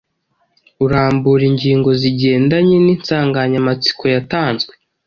urambura ingingo zigendanye n’insanganyamatsiko yatanzwe.